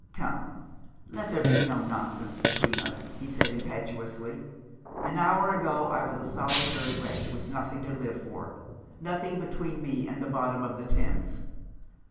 " Come, let there be no nonsense between us," he said impetuously. " An hour ago I was a solitary wretch, with nothing to live for, nothing between me and the bottom of the Thames.